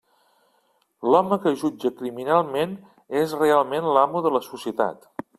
L'home que jutja criminalment és realment l'amo de la societat.